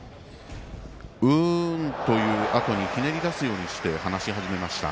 うーん、というあとにひねり出すようにして話し始めました。